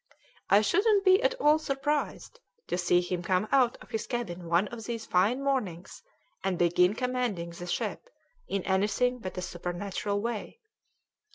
I shouldn't be at all surprised to see him come out of his cabin one of these fine mornings and begin commanding the ship in anything but a supernatural way."